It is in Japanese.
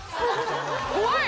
怖い！